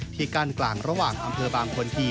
ที่กั้นกลางระหว่างอำเภอบางคนที